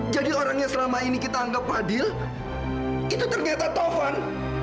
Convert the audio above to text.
jadi orang yang selama ini kita anggap fadil itu ternyata tovan